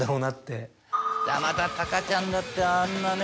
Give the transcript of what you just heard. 山田孝ちゃんだってあんなね